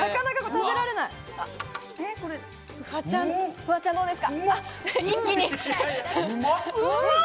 フワちゃん、どうですか？